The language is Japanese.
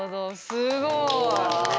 すごい。